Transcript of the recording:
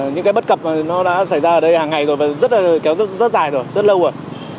những cái bất cập mà nó đã xảy ra ở đây hàng ngày rồi và kéo rất dài rồi rất lâu rồi